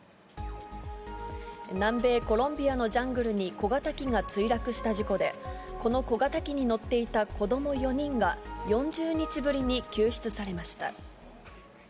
南米コロンビアのジャングルに小型機が墜落した事故で、この小型機に乗っていた子ども４人が、４０日ぶりに救出されました。